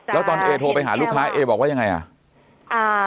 แล้วตอนเอโทรไปหาลูกค้าเอบอกว่ายังไงอ่ะ